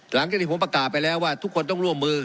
หลังจากที่ผมประกาศไปแล้วว่าทุกคนต้องร่วมมือ